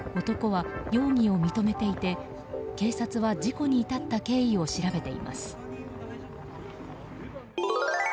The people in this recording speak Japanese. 男は容疑を認めていて、警察は事故に至った経緯を調べています。